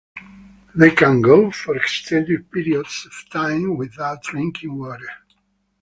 They can go for extended periods of time without drinking water.